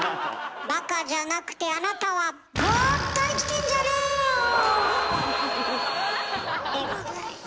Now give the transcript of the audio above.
バカじゃなくてあなたはでございます。